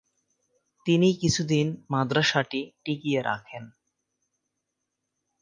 তিনি কিছুদিন মাদ্রাসাটি টিকিয়ে রাখেন।